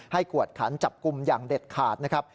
กวดขันจับกลุ่มอย่างเด็ดขาดนะครับ